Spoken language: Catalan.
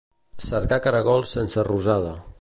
Cercar caragols sense rosada.